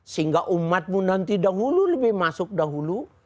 sehingga umatmu nanti dahulu lebih masuk dahulu